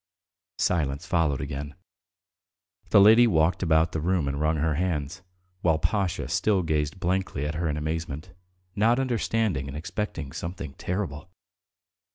..." Silence followed again. The lady walked about the room and wrung her hands, while Pasha still gazed blankly at her in amazement, not understanding and expecting something terrible.